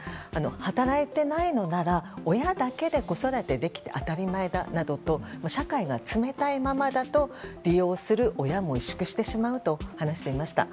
働いていないのなら、親だけで子育てできて当たり前だなどと社会が冷たいままだと利用する親も委縮してしまうと話していました。